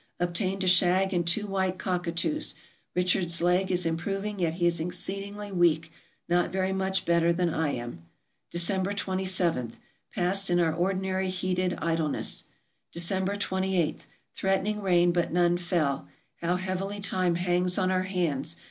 Obtained a shag and two white cockatoos. Richard's leg is improv ing, yet he is exceedingly week ; not very much better than I am. December 2J. — Passed in our ordinary heated idleness. December 28. — Threatening rain, but none fell. How heavily time hangs on our hands